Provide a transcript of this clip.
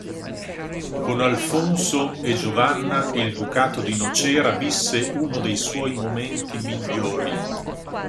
Con Alfonso e Giovanna il ducato di Nocera visse uno dei suoi momenti migliori.